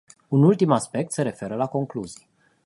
Un ultim aspect se referă la concluzii.